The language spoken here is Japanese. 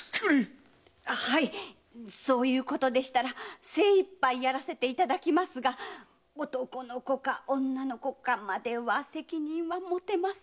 はいそういうことでしたら精一杯やらせていただきますが男の子か女の子かまでは責任が持てませんが。